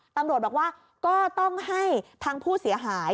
ตำรวจบอกว่าก็ต้องให้ทางผู้เสียหาย